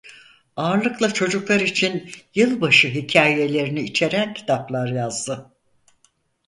Ağırlıkla çocuklar için yılbaşı hikâyelerini içeren kitaplar yazdı.